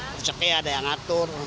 persekian ada yang ngatur